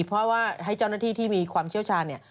เพราะว่าให้เจ้าหน้าที่ที่มีความเชี่ยวชาญเนี่ย